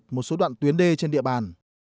hút một số đoạn tuyến đê trên địa bàn